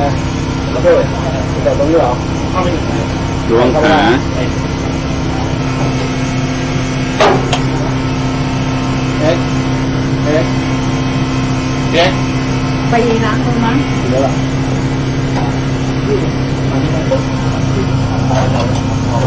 เอาเลยเอาเลยเอาเลยเอาเลยเอาเลยเอาเลยเอาเลยเอาเลยเอาเลย